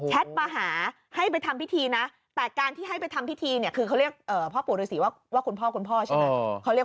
มาหาให้ไปทำพิธีนะแต่การที่ให้ไปทำพิธีเนี่ยคือเขาเรียกพ่อปู่ฤษีว่าคุณพ่อคุณพ่อใช่ไหม